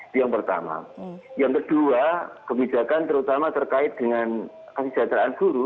bukan cuma pada p printers kuit diharapkan warga guru